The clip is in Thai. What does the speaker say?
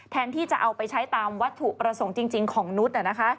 ที่จะเอาไปใช้ตามวัตถุประสงค์จริงของนุษย์